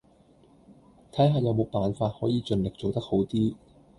睇下有冇辦法可以盡力做得好啲